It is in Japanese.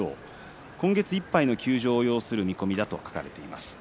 今月いっぱいの休場を要する見込みと書かれています。